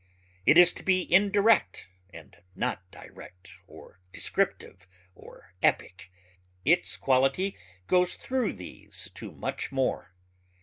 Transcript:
It is to be indirect and not direct or descriptive or epic. Its quality goes through these to much more.